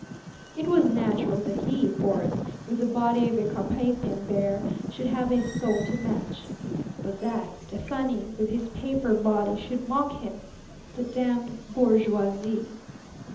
It was natural that he, Boris, with the body of a Carpathian bear, should have a soul to match. But that Stefani, with his paper body, should mock him! The damned bourgeoisie!